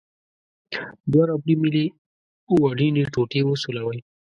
دوه ربړي میلې په وړینې ټوټې وسولوئ.